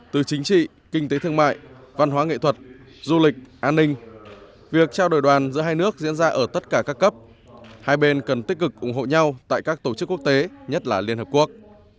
từ chính trị kinh tế thương mại văn hóa nghệ thuật du lịch an ninh việc trao đổi đoàn giữa hai nước diễn ra ở tất cả các cấp hai bên cần tích cực ủng hộ nhau tại các tổ chức quốc tế nhất là liên hợp quốc